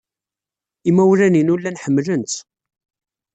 Imawlan-inu llan ḥemmlen-tt.